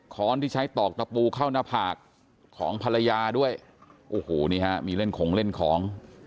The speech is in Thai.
้อนที่ใช้ตอกตะปูเข้าหน้าผากของภรรยาด้วยโอ้โหนี่ฮะมีเล่นของเล่นของ